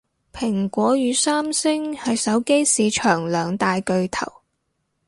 蘋果與三星係手機市場兩大巨頭